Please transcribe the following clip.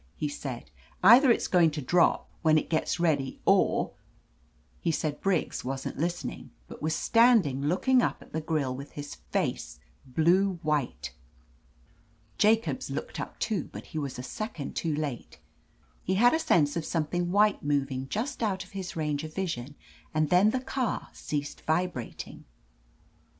he said. "Either it's going to drop, when it gets ready, or —" He said Briggs wasn't listening, but was standing looking up at the grill with his face blue white. Jacobs looked up, too, but he was a second too late. He had a sense of some thing white moving just out of his range of vision, and then the car ceased vibrating.